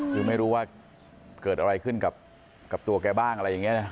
คือไม่รู้ว่าเกิดอะไรขึ้นกับตัวแกบ้างอะไรอย่างนี้นะ